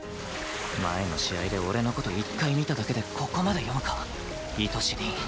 前の試合で俺の事１回見ただけでここまで読むか糸師凛